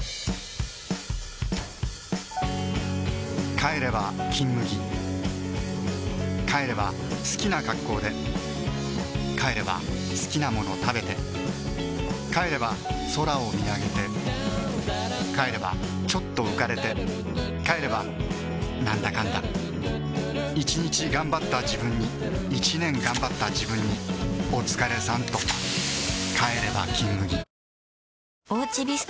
帰れば「金麦」帰れば好きな格好で帰れば好きなもの食べて帰れば空を見上げて帰ればちょっと浮かれて帰ればなんだかんだ１日がんばったジブンに１年がんばったジブンにおつかれさんとシュワー帰れば「金麦」